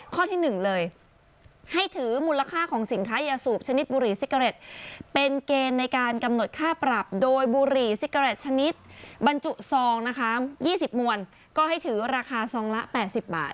ข้อที่๑เลยให้ถือมูลค่าของสินค้ายาสูบชนิดบุหรีซิกาเรตเป็นเกณฑ์ในการกำหนดค่าปรับโดยบุหรี่ซิกาเรตชนิดบรรจุซองนะคะ๒๐มวลก็ให้ถือราคาซองละ๘๐บาท